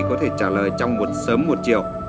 có thể trả lời trong một sớm một chiều